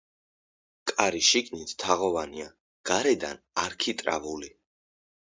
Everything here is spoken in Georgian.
კარი შიგნით თაღოვანია, გარედან არქიტრავული.